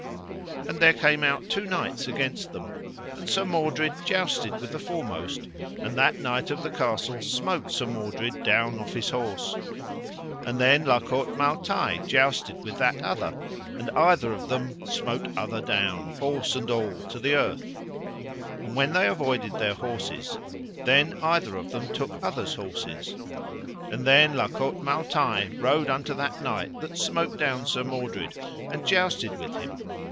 And there came out two knights against them, and Sir Mordred jousted with the foremost, and that knight of the castle smote Sir Mordred down off his horse. And then La Cote Male Taile jousted with that other, and either of them smote other down, horse and all, to the earth. And when they avoided their horses, then either of them took other's horses. And then La Cote Male Taile rode unto that knight that smote down Sir Mordred, and jousted with him.